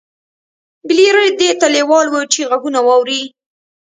بليير دې ته لېوال و چې غږونه واوري.